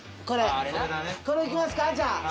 これいきますかじゃあ。